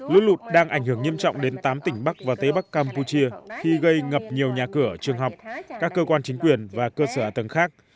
lút lụt đang ảnh hưởng nghiêm trọng đến tám tỉnh bắc và tế bắc campuchia khi gây ngập nhiều nhà cửa trường học các cơ quan chính quyền và cơ sở ả tầng khác